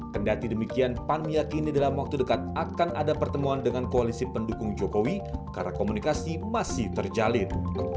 kendati demikian pan meyakini dalam waktu dekat akan ada pertemuan dengan koalisi pendukung jokowi karena komunikasi masih terjalin